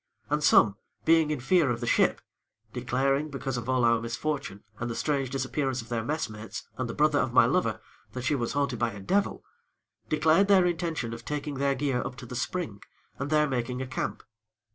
And some, being in fear of the ship (declaring, because of all our misfortune and the strange disappearances of their messmates and the brother of my lover, that she was haunted by a devil), declared their intention of taking their gear up to the spring, and there making a camp.